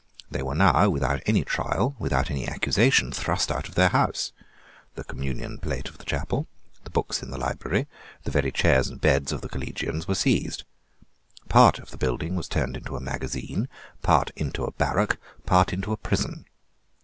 They were now, without any trial, without any accusation, thrust out of their house. The communion plate of the chapel, the books in the library, the very chairs and beds of the collegians were seized. Part of the building was turned into a magazine, part into a barrack, part into a prison.